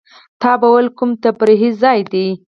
تا به وېل کوم تفریحي ځای دی.